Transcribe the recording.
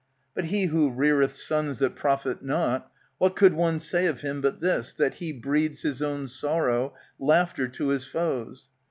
But he who reareth sons that profit not, What could one say of him but this, that he Breeds his own sorrow, laughter to his foes